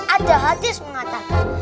ada hadis mengatakan